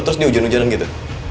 terus di hujan hujanan gitu